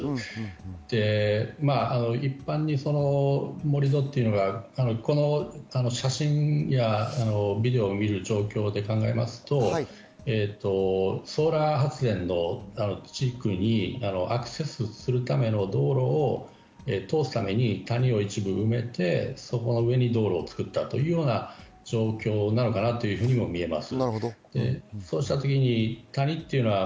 一般に盛り土っていうのは写真やビデオを見た状況で考えますと、ソーラー発電の地区にアクセスするための道路を通すために、谷を一部埋めて、その上に道路を作ったっていうような状況なのかなというふうに見えます。